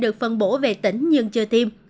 được phân bổ về tỉnh nhưng chưa tiêm